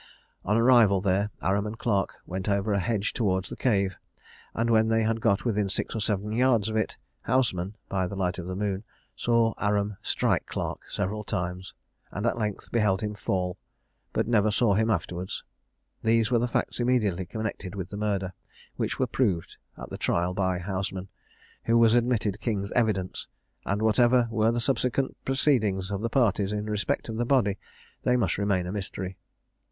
On their arrival there, Aram and Clarke went over a hedge towards the cave; and when they had got within six or seven yards of it, Houseman (by the light of the moon) saw Aram strike Clarke several times, and at length beheld him fall, but never saw him afterwards. These were the facts immediately connected with the murder, which were proved at the trial by Houseman, who was admitted King's evidence; and, whatever were the subsequent proceedings of the parties in respect of the body, they must remain a mystery.